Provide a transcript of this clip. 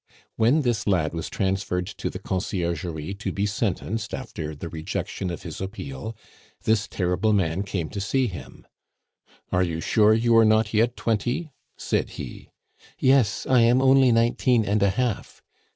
When this lad was transferred to the Conciergerie to be sentenced after the rejection of his appeal, this terrible man came to see him. "Are you sure you are not yet twenty?" said he. "Yes, I am only nineteen and a half."